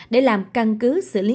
để làm căn cứ